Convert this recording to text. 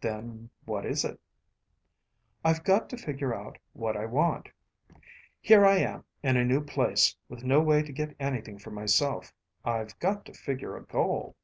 "Then what is it?" "I've got to figure out what I want. Here I am, in a new place, with no way to get anything for myself; I've got to figure a goal."